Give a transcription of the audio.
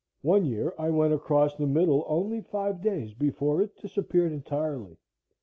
One year I went across the middle only five days before it disappeared entirely.